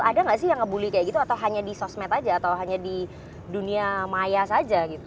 ada nggak sih yang ngebully kayak gitu atau hanya di sosmed aja atau hanya di dunia maya saja gitu